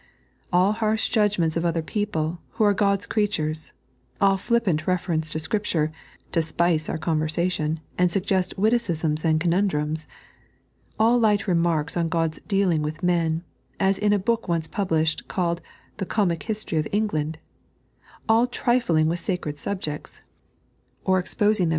AH harsh judgments of other people, who are God's creatures; all flippant reference to Scripture, to spice onr conversation, and suggest witticisms and conundrums ; all light remarks on God's dealings with men, as in a book once published, called "The Gomic History of England"; all trifling with sacred subjects, or exposing them to 3.